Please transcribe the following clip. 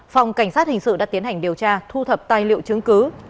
phòng cảnh sát hình sự đã tiến hành điều tra thu thập tài liệu chứng cứ